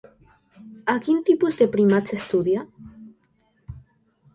A quin tipus de primats estudia?